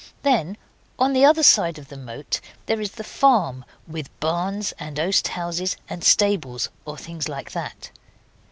Then, on the other side of the moat there is the farm, with barns and oast houses and stables, or things like that.